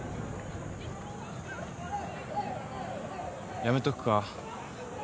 やめとくか？